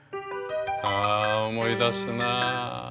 あ思い出すなあ。